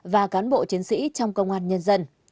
và cán bộ chiến sĩ trong công an nhân dân